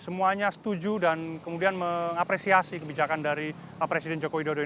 semuanya setuju dan kemudian mengapresiasi kebijakan dari presiden jokowi